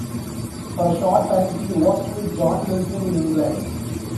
For a short time, he worked with John Milton in England.